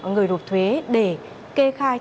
người đột thuế để kê khai các dữ liệu quốc gia dân cư